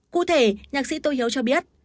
cụ thể nhạc sĩ tô hiếu cho biết